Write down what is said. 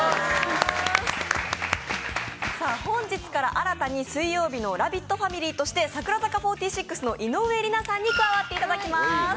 本日から新たに水曜日のラヴィットファミリーとして櫻坂４６の井上梨名さんに加わっていただきます。